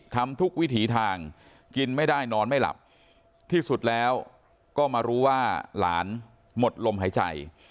ทำทุกวิถีทางกินไม่ได้นอนไม่หลับที่สุดแล้วก็มารู้ว่าหลานหมดลมหายใจ